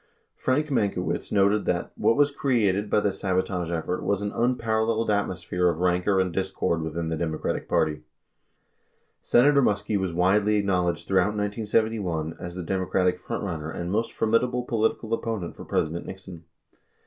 87 Frank Mankiewicz noted that "what was created by the sabotage effort was an unparalleled atmosphere of rancor and discord within the Democratic Party." 88 Senator Muskie was widely acknowledged throughout 1971 as the Democratic frontrunner and most formidable political opponent for President Nixon.